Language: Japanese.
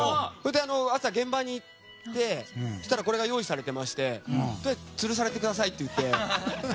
朝、現場に行ったらこれが用意されてましてつるされてくださいって。